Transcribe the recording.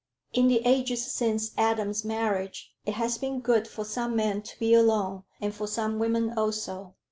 In the ages since Adam's marriage, it has been good for some men to be alone, and for some women also.